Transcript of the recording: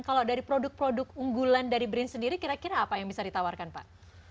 kalau dari produk produk unggulan dari brin sendiri kira kira apa yang bisa ditawarkan pak